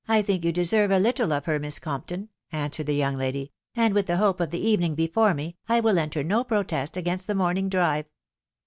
I dunk you deserve a little of her, Miss Cotnpton," an swered the young lady ;" and with the hope of the evening before roe, I will enter no protest against the morning <b i*e."